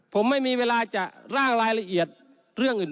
ผมไม่มีเวลาจะร่างรายละเอียดเรื่องอื่น